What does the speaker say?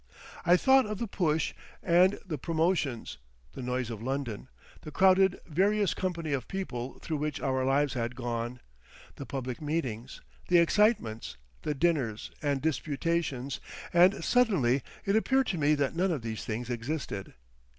I thought of the push and the promotions, the noise of London, the crowded, various company of people through which our lives had gone, the public meetings, the excitements, the dinners and disputations, and suddenly it appeared to me that none of these things existed.